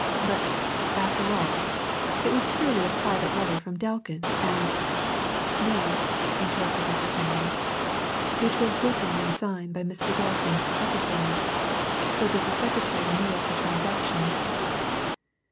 But, after all, it was purely a private letter from Delkin, and " "No," interrupted Mrs. Marlow. "It was written and signed by Mr. Delkin's secretary. So that the secretary knew of the transaction."